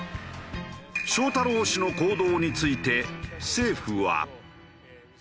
翔太郎氏の行動について政府は。